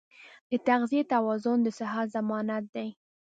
د تغذیې توازن د صحت ضمانت دی.